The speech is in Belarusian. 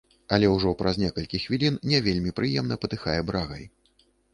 Але ўжо праз некалькі хвілін не вельмі прыемна патыхае брагай.